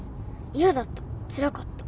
嫌だったつらかった。